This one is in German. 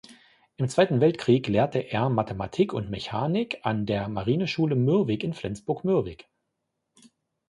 Im Zweiten Weltkrieg lehrte er Mathematik und Mechanik an der Marineschule Mürwik in Flensburg-Mürwik.